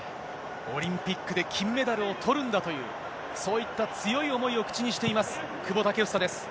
オリンピックで金メダルをとるんだという、そういった強い思いを口にしています、久保建英です。